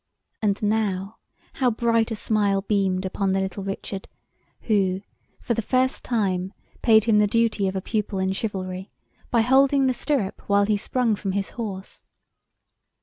And now, how bright a smile beamed upon the little Richard, who, for the first time, paid him the duty of a pupil in chivalry, by holding the stirrup while he sprung from his horse.